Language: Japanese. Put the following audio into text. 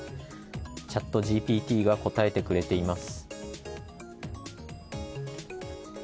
チャットＧＰＴが答えてくれています。